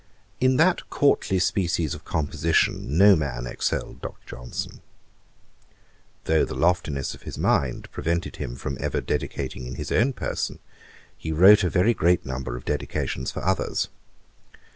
In that courtly species of composition no man excelled Dr. Johnson. Though the loftiness of his mind prevented him from ever dedicating in his own person, he wrote a very great number of Dedications for others.